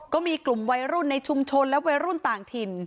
ก็มีกลุ่มวัยรุ่นในชุมชนและวัยรุ่นต่างถิ่น